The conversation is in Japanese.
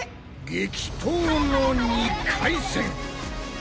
激闘の２回戦！